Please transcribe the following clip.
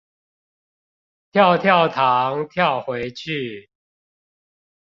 跳跳糖跳回去